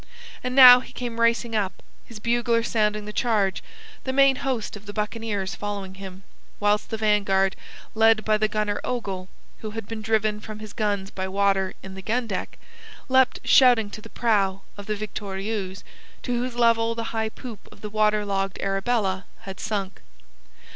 And now he came racing up, his bugler sounding the charge, the main host of the buccaneers following him, whilst the vanguard, led by the gunner Ogle, who had been driven from his guns by water in the gun deck, leapt shouting to the prow of the Victorieuse, to whose level the high poop of the water logged Arabella had sunk.